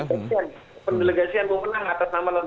bukan karena komisi tiga yang